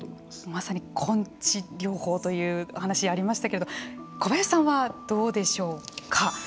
まさに根治療法というお話がありましたけど小林さんは、どうでしょうか。